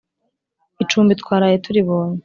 icumbi twaraye turibonye